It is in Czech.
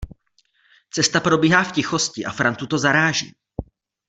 Cesta probíhá v tichosti a Frantu to zaráží.